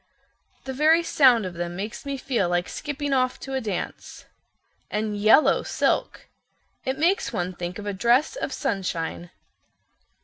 "The very sound of them makes me feel like skipping off to a dance. And yellow silk. It makes one think of a dress of sunshine.